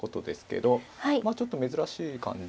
まあちょっと珍しい感じ